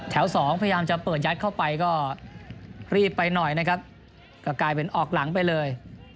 สองพยายามจะเปิดยัดเข้าไปก็รีบไปหน่อยนะครับก็กลายเป็นออกหลังไปเลย